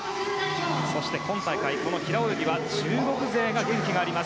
そして今大会、この平泳ぎは中国勢が元気です。